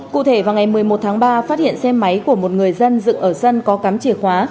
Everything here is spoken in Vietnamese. cụ thể vào ngày một mươi một tháng ba phát hiện xe máy của một người dân dựng ở sân có cắm chìa khóa